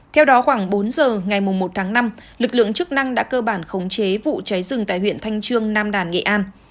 theo đó khoảng bốn giờ ngày một tháng năm lực lượng chức năng đã cơ bản khống chế vụ cháy rừng tại huyện thanh trương nam đàn nghệ an